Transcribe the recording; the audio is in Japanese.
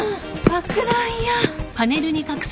爆弾や